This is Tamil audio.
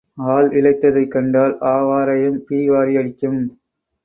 ஆள் இளைத்ததைக் கண்டால் ஆவாரையும் பீ வாரி அடிக்கும்.